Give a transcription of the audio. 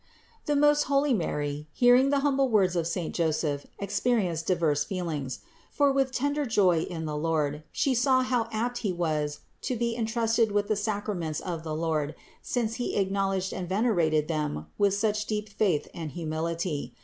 408. The most holy Mary, hearing the humble words of saint Joseph, experienced diverse feelings. For with tender joy in the Lord She saw how apt he was to be entrusted with the sacraments of the Lord, since he acknowledged and venerated them with such deep faith and humility.